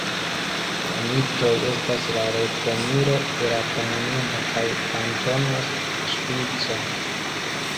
La Mitoj estas la rekonilo de la komunumo kaj kantono Ŝvico.